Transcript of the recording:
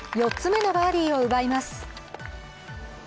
４つ目のバーディーを奪います。